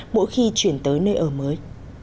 mỗi khi chuyển tới nơi ở mới